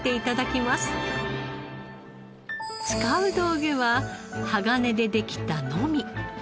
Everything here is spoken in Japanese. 使う道具は鋼でできたノミ。